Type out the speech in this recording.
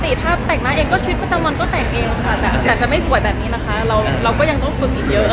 ปกติถ้าแต่งหน้าเองก็ชีวิตประจำวันก็แต่งเองค่ะแต่จะไม่สวยแบบนี้นะคะเราก็ยังต้องฝึกอีกเยอะ